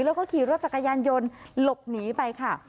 แล้วก็ขี่รถจักรยานยนต์หลบหนีไปค่ะ